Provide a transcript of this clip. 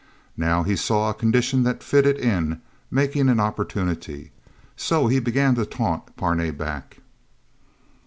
Now, he saw a condition that fitted in, making an opportunity... So he began to taunt Parnay back.